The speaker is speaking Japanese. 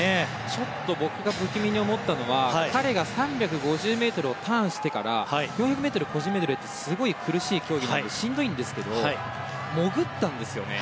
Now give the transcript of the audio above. ちょっと僕が不気味に思ったのは彼が３５０ｍをターンしてからなんですが４００ｍ個人メドレーってすごい苦しい競技でしんどいんですけど潜ったんですよね